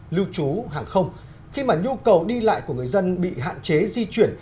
lưu trú hàng không khi mà nhu cầu đi lại của người dân bị hạn chế di chuyển